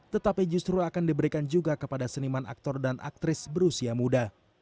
tetapi justru akan diberikan juga kepada seniman aktor dan aktris berusia muda